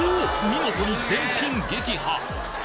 見事に全ピン撃破！